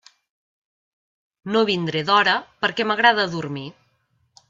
No vindré d'hora perquè m'agrada dormir.